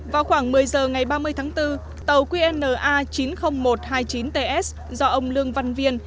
vào khoảng một mươi giờ ngày ba mươi tháng bốn tàu qna chín mươi nghìn một trăm hai mươi chín ts do ông lương văn viên